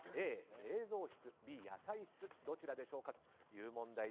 Ａ、冷蔵室Ｂ、野菜室どちらでしょうかという問題。